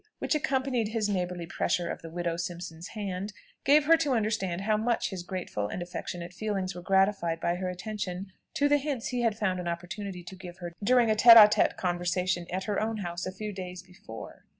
which accompanied his neighbourly pressure of the widow Simpson's hand, gave her to understand how much his grateful and affectionate feelings were gratified by her attention to the hints he had found an opportunity to give her during a tête à tête conversation at her own house a few days before.